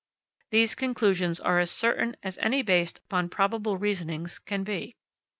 These conclusions are as certain as any based upon probable reasonings can be.